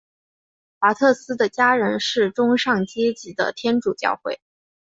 华特斯的家人是中上阶级的天主教会。